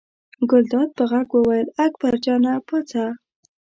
ګلداد په غږ وویل اکبر جانه پاڅه.